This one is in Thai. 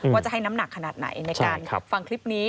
ว่าจะให้น้ำหนักขนาดไหนในการฟังคลิปนี้